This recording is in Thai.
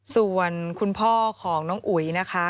ส่วนคุณพ่อของน้องอุ๋ยนะคะ